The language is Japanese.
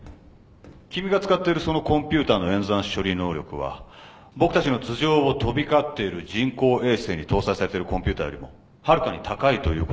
君が使っているそのコンピューターの演算処理能力は僕たちの頭上を飛び交っている人工衛星に搭載されているコンピューターよりもはるかに高いということを知ってるかい？